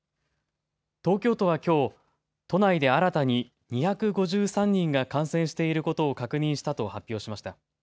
東京都はきょう、都内で新たに２５３人が感染していることを確認したと発表しました。